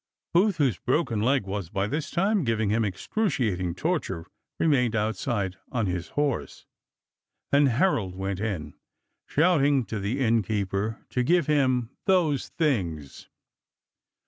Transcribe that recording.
Booth, whose broken leg was by this time giving him excruciat ing torture, remained outside on his horse, and Herold went in, shouting to the inn keeper to give him "those things."